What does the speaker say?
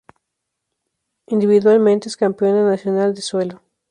Individualmente es campeona nacional de suelo.